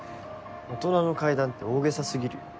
大人の階段って大げさ過ぎるよ。